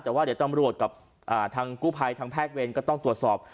แต่ว่าเดี๋ยวตำรวจกับทางกู้ภัยทางแพทย์เวรก็ต้องตรวจสอบ